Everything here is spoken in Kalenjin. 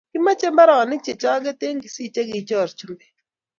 Kimache mbaronik che choket en Kisii che kichor chumbek